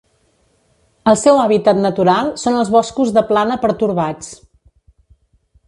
El seu hàbitat natural són els boscos de plana pertorbats.